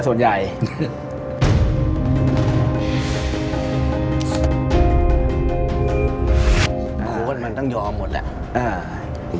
เมืองไทยคอยดูแลว่าทีมจะเป็นยังไงแต่ใจร้อนเปลี่ยนโค้ดส่วนใหญ่